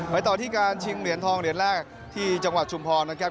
ต่อที่การชิงเหรียญทองเหรียญแรกที่จังหวัดชุมพรนะครับ